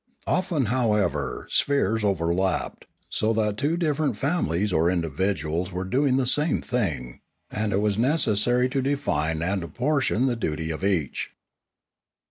Often, however, spheres overlapped, so that two differ ent families or individuals were doing the same thing; and it was necessary to define and apportion the duty of each.